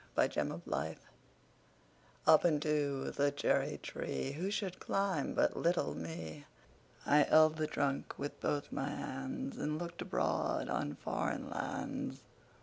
Foreign Lands UP into the cherry treeWho should climb but little me?I held the trunk with both my handsAnd looked abroad on foreign lands.